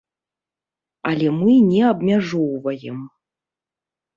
Але мы не абмяжоўваем.